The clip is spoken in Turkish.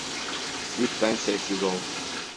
Lütfen sessiz ol.